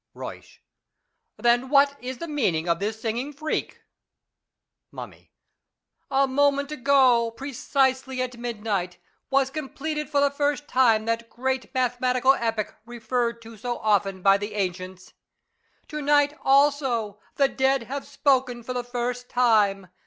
Euyscli. Then what is the meaning of this singing freak ? Mummy. A moment ago, precisely at midnight, was completed for the firfit time that great mathematical epoch referred to so often by the ancients. To night also the dead have spoken for the first time.